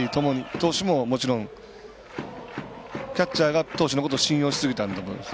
投手もキャッチャーが投手のことを信用しすぎたんだと思います。